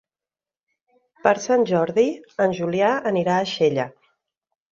Per Sant Jordi en Julià anirà a Xella.